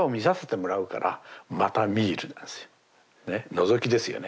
のぞきですよね。